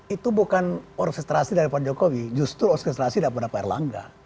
itu bukan orkestrasi dari pak jokowi justru orkestrasi daripada pak erlangga